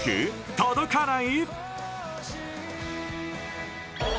届かない？